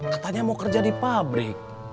katanya mau kerja di pabrik